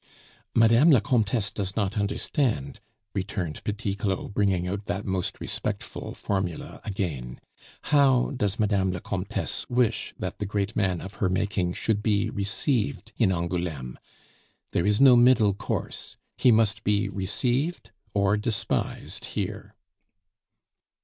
"Mme. la Comtesse does not understand," returned Petit Claud, bringing out that most respectful formula again. "How does Mme. la Comtesse wish that the great man of her making should be received in Angouleme? There is no middle course; he must be received or despised here."